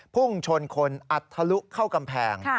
พุ่งชนคนอัดทะลุเข้ากำแพง